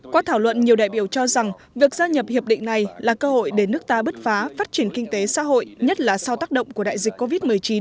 qua thảo luận nhiều đại biểu cho rằng việc gia nhập hiệp định này là cơ hội để nước ta bứt phá phát triển kinh tế xã hội nhất là sau tác động của đại dịch covid một mươi chín